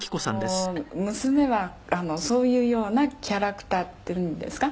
「あの娘はそういうようなキャラクターっていうんですか？」